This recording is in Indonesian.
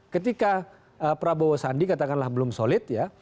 ketika prabowo sandi katakanlah belum solid ya